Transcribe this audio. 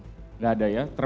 tidak ada ya